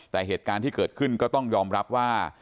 แต่เหตุการณ์ที่เกิดขึ้นก็ต้องยอมรับว่า